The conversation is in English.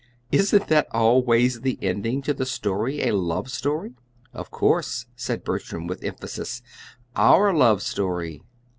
Isn't that always the ending to the story a love story?" "Of course," said Bertram with emphasis; "OUR love story!"